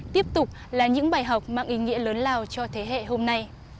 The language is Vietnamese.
tiếp tục là những bài học mạng ý nghĩa lớn lao cho thế hệ hôm nay